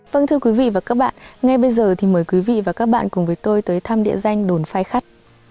vâng thưa quý vị và các bạn ngay bây giờ thì mời quý vị và các bạn cùng với tôi tới thăm địa danh đồn phai khắt